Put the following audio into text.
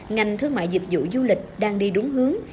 ngành thương mại dịch vụ du lịch đang đi đúng hướng